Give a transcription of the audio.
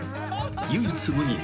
［唯一無二。